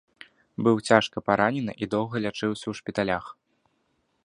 Быў цяжка паранены і доўга лячыўся ў шпіталях.